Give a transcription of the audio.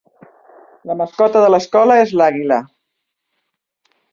La mascota de l'escola és l'àguila.